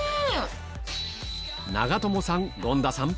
長友さん権田さん